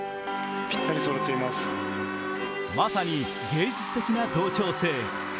まさに芸術的な同調性。